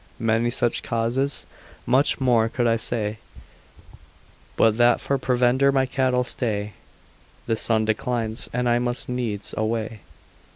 Many such causes, much more could I say, But that for provender my cattle stay: The sun declines, and I must needs away.